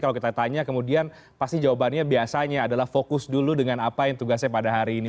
kalau kita tanya kemudian pasti jawabannya biasanya adalah fokus dulu dengan apa yang tugasnya pada hari ini